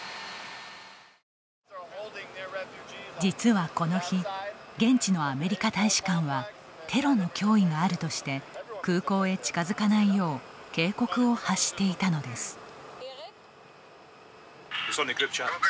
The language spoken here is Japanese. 実は、この日現地のアメリカ大使館はテロの脅威があるとして空港へ近づかないよう警告を発していたのです。